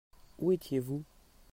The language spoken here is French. Où étiez-vous ?